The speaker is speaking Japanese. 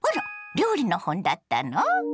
料理の本だったの？